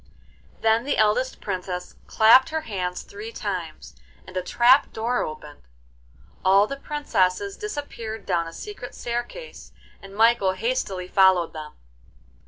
Then the eldest Princess clapped her hands three times and a trap door opened. All the princesses disappeared down a secret staircase, and Michael hastily followed them.